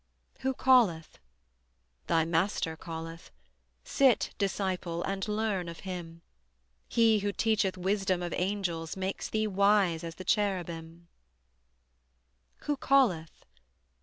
Who calleth? Thy Master calleth, Sit, Disciple, and learn of Him: He Who teacheth wisdom of Angels Makes thee wise as the Cherubim, Who calleth?